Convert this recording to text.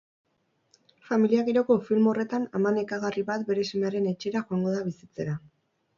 Familia giroko film horretan ama nekagarri bat bere semearen etxera joango da bizitzera.